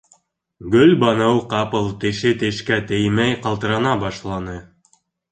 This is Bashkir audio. Гөлбаныу ҡапыл теше-тешкә теймәй ҡалтырана башланы.